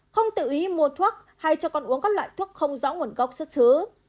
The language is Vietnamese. không tự ý mua thuốc hay cho con uống các loại thuốc không rõ nguồn gốc xuất xứ